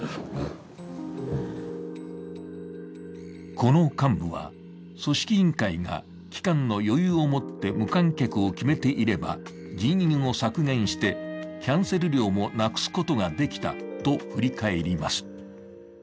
この幹部は、組織委員会が期間の余裕を持って無観客を決めていれば、人員を削減して、キャンセル料もなくすことができたと振り返ります。